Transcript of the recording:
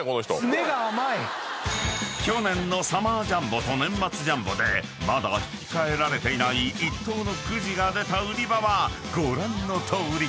［去年のサマージャンボと年末ジャンボでまだ引き換えられていない１等のくじが出た売り場はご覧のとおり］